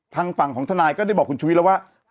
ทางฝั่งของทนายก็ได้บอกคุณชุวิตแล้วว่า